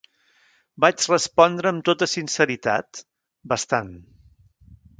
Vaig respondre amb tota sinceritat: "Bastant".